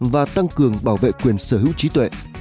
và tăng cường bảo vệ quyền sở hữu trí tuệ